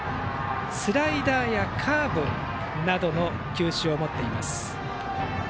スライダーやカーブなどの球種を持っています。